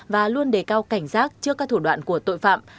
và luôn đề cao cảnh giác trước các thủ đoạn của tội phạm